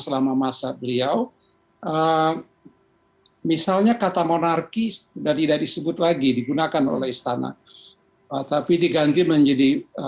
selama masa beliau misalnya kata monarkis dari dari sebut lagi digunakan oleh istana tapi diganti menjadi